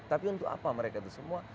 tapi untuk apa mereka itu semua